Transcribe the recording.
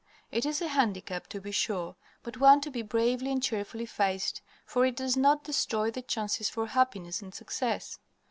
It is a handicap, to be sure, but one to be bravely and cheerfully faced, for it does not destroy the chances for happiness and success.